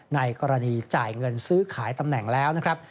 ในกรณีจ่ายเงินซื้อขายตำแหน่งแล้วนะครับ